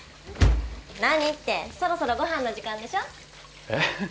何ってそろそろご飯の時間でしょえっ？